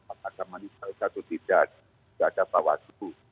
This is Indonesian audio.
apakah manipulasi atau tidak